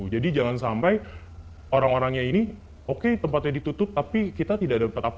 jadi jangan sampai orang orangnya ini oke tempatnya ditutup tapi kita tidak dapat apa apa